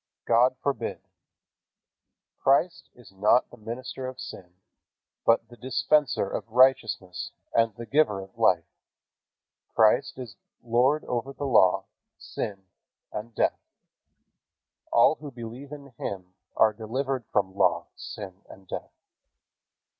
God forbid. Christ is not the minister of sin, but the Dispenser of righteousness and the Giver of life. Christ is Lord over law, sin and death. All who believe in Him are delivered from law, sin and death.